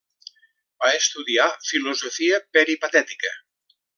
Va estudiar filosofia peripatètica.